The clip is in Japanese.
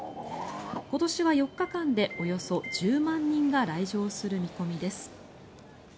今年は４日間でおよそ１０万人が来場する見込みです。